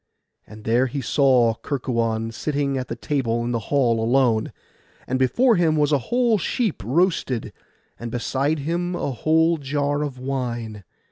And there he saw Kerkuon sitting at the table in the hall alone; and before him was a whole sheep roasted, and beside him a whole jar of wine.